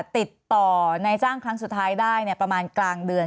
ติดต่อในจ้างครั้งสุดท้ายได้ประมาณกลางเดือน